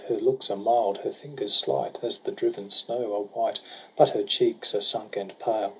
Her looks are mild, her fingers slight As the driven snow are white; But her cheeks are sunk and pale.